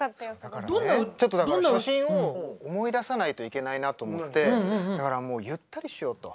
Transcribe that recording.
ちょっとだから初心を思い出さないといけないなと思ってだからゆったりしようと。